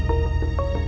aku mau ke rumah